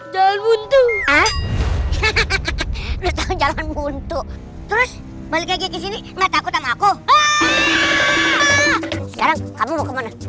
jalan buntu ah hahaha jalan buntu terus balik lagi ke sini mata aku tamaku sekarang kamu mau kemana